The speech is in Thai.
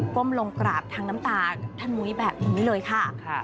้มลงกราบทางน้ำตาท่านมุ้ยแบบนี้เลยค่ะ